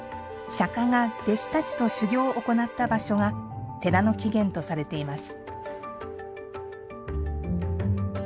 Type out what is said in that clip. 釈迦が弟子たちと修行を行った場所が、寺の起源とされています。